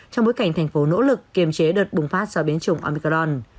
trong bối cảnh thành phố nỗ lực kiềm chế đợt bùng phát do biến chủng omicron